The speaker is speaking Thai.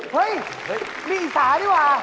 เฮ้ยมีอีศานี่หว่า